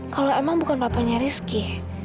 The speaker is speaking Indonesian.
kalau emang bukan papanya rizky